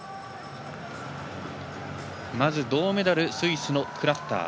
まず銅メダルスイスのクラッター。